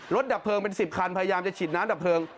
ดับเพลิงเป็น๑๐คันพยายามจะฉีดน้ำดับเพลิง